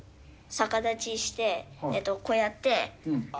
逆立ちして、こうやって。